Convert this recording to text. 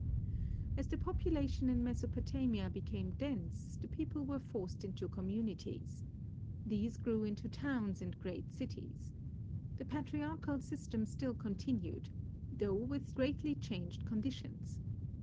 As the population in Mesopotamia became dense, the people were forced into communities. These grew into towns and great cities. The patriarchal system still continued, though with greatly changed conditions.